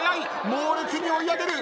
猛烈に追い上げる。